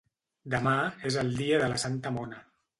Demà és el dia de la santa mona